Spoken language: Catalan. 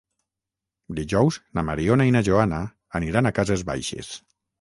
Dijous na Mariona i na Joana aniran a Cases Baixes.